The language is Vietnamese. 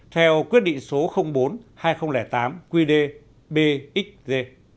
theo quyết định số bốn hai nghìn tám qd bxg